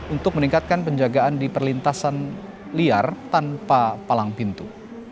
untuk meningkatkan penjagaan di perlintasan liar tanpa palang pintu